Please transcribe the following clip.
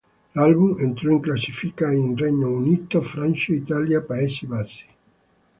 L'album entrò in classifica in Regno Unito, Francia, Italia, Paesi Bassi.